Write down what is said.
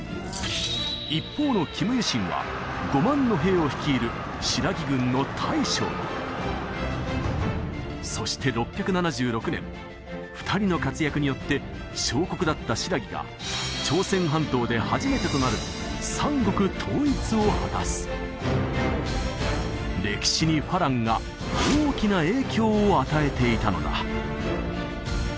一方のキム・ユシンは５万の兵を率いる新羅軍の大将にそして６７６年２人の活躍によって小国だった新羅が朝鮮半島で初めてとなる三国統一を果たす歴史に花郎が大きな影響を与えていたのだ